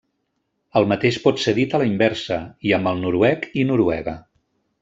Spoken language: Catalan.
El mateix pot ser dit a la inversa, i amb el noruec i Noruega.